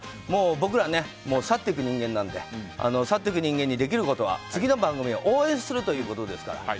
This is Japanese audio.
もう僕ら、去っていく人間なので去っていく人間にできることは次の番組を応援するということですから。